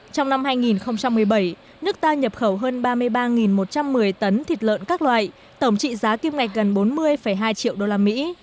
trong năm hai nghìn một mươi bảy nước ta nhập khẩu hơn ba mươi ba một trăm một mươi tấn thịt lợn các loại tổng trị giá kim ngạch gần bốn mươi hai triệu đô la mỹ